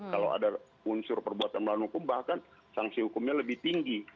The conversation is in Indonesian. kalau ada unsur perbuatan melawan hukum bahkan sanksi hukumnya lebih tinggi